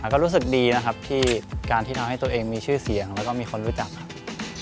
ก็รู้สึกดีนะครับที่การที่ทำให้ตัวเองมีชื่อเสียงแล้วก็มีคนรู้จักครับ